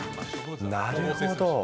なるほど。